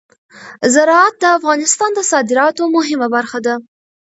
زراعت د افغانستان د صادراتو مهمه برخه ده.